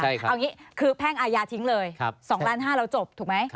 เอาอย่างนี้คือแพ่งอายาทิ้งเลย๒๕๐๐๐๐๐บาทแล้วจบถูกไหม